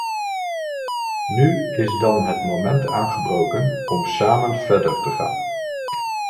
Nu is dan het moment aangebroken om samen verder te gaan.